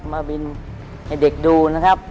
มาบินให้เด็กดูนะครับ